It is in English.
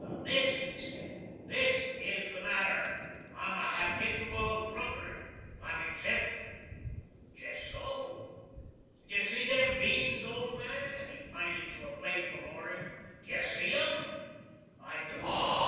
"This," he said; "this is what's the matter. I'm a habit ooal drunkard! I'm exempt!" "Jes' so." "Do you see them beans, old man?" and he pinted to a plate before him. "Do you see 'em?" "I do.